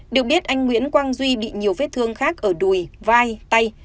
được biết anh nguyễn quang duy bị nhiều vết thương khác ở đùi vai tay